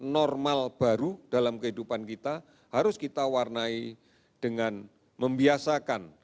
normal baru dalam kehidupan kita harus kita warnai dengan membiasakan